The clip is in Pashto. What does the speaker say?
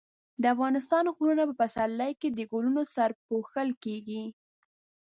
د افغانستان غرونه په پسرلي کې د ګلونو سره پوښل کېږي.